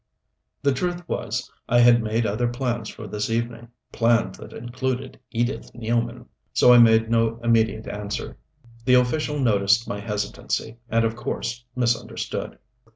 The truth was I had made other plans for this evening plans that included Edith Nealman so I made no immediate answer. The official noticed my hesitancy, and of course misunderstood.